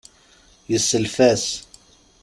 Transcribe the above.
Yesself-as.